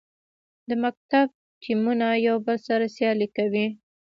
د مکتب ټیمونه یو بل سره سیالي کوي.